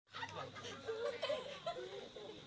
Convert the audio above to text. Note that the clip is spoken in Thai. สวัสดี